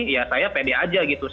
ya saya pede aja gitu